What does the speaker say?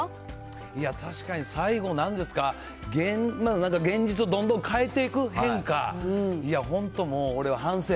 いや、確かに、最後なんですか、現実をどんどん変えていく、変化、いや、本当もう、俺、反省。